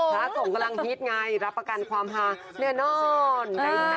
พระสงฆ์กำลังฮิตไงรับประกันความฮาแน่นอน